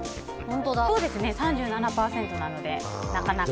３７％なので、なかなか。